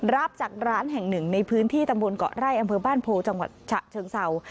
รับจากร้านแห่งหนึ่งในพื้นที่ตำบลเกาะไร่อำเภอบ้านโพจังหวัดฉะเชิงเศร้า